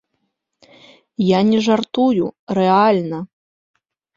Я не жартую, рэальна.